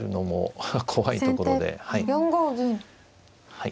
はい。